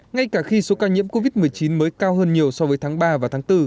ngay cả khi số ca nhiễm covid một mươi chín mới cao hơn nhiều so với tháng ba và tháng bốn